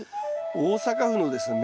大阪府のですね